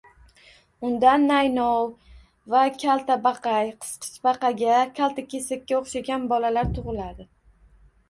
Undan naynov va kaltabaqay, qisqichbaqaga, kaltakesakka o`xshagan bolalar tug`iladi